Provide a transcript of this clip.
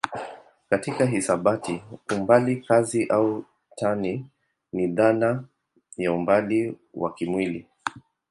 Katika hisabati umbali kazi au tani ni dhana ya umbali wa kimwili.